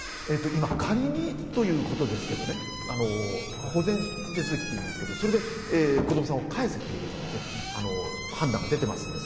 今、仮にということですけどね、保全手続きといいますか、それで子どもさんを返せという判断が出てますね。